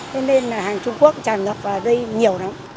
thế nên là hàng trung quốc tràn gặp ở đây nhiều lắm